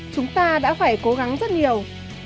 chúng ta đã phải cố gắng rất nhiều